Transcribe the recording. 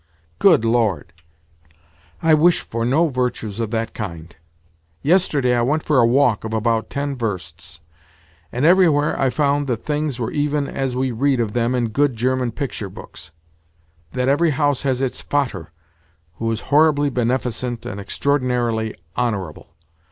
Good Lord! I wish for no virtues of that kind. Yesterday I went for a walk of about ten versts; and, everywhere I found that things were even as we read of them in good German picture books—that every house has its 'Vater,' who is horribly beneficent and extraordinarily honourable.